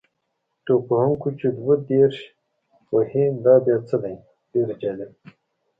توپ وهونکی چې دوه دېرش وهي دا بیا څه دی؟ ډېر جالبه.